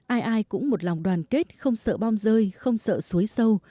ai ai cũng một lòng đoàn kết không sợ bom rơi không sợ suối sâu